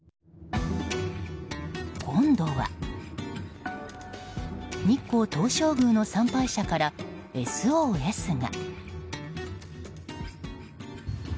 今度は、日光東照宮の参拝者からＳＯＳが。